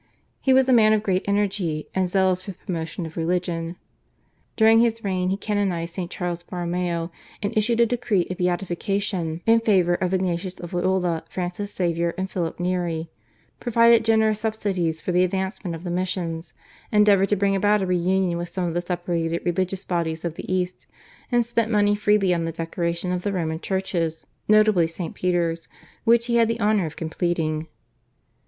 He was a man of great energy and zealous for the promotion of religion. During his reign he canonised St. Charles Borromeo and issued a decree of beatification in favour of Ignatius of Loyola, Francis Xavier, and Philip Neri, provided generous subsidies for the advancement of the missions, endeavoured to bring about a re union with some of the separated religious bodies of the East, and spent money freely on the decoration of the Roman churches, notably St. Peter's, which he had the honour of completing.